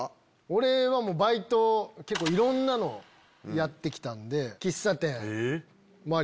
俺はバイト結構いろんなのやって来たんで。